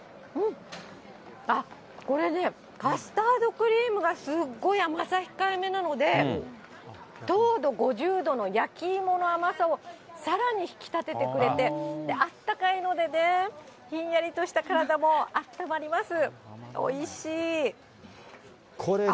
あっ、これね、カスタードクリームがすっごい甘さ控えめなので、糖度５０度の焼き芋の甘さをさらに引き立ててくれて、あったかいのでね、ひんやりとした体もあったまります。